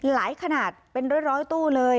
หลายขนาดเป็นเบื้อร้อยตู้เลย